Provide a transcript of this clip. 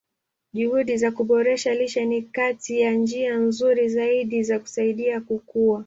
Juhudi za kuboresha lishe ni kati ya njia nzuri zaidi za kusaidia kukua.